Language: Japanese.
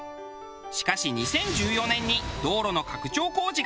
しかし２０１４年に道路の拡張工事が完了。